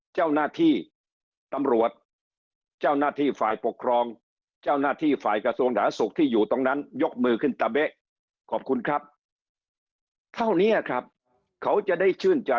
เจ้าหน้าที่ตำรวจเจ้าหน้าที่